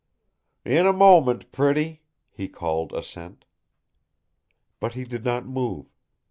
"In a moment, Pretty," he called assent. But he did not move.